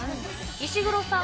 石黒さん